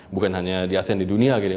bukan hanya di asean di dunia gitu ya